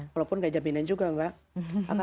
walaupun nggak jaminan juga mbak